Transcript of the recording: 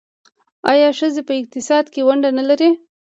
آیا ښځې په اقتصاد کې ونډه نلري؟